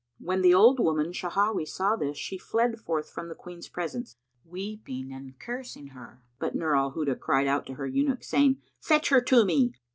When the old woman Shawahi saw this, she fled forth from the Queen's presence, weeping and cursing her; but Nur al Huda cried out to her eunuchs, saying, "Fetch her to me!"